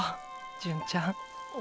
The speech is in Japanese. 純ちゃん。